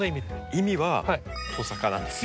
意味は「トサカ」なんですよ。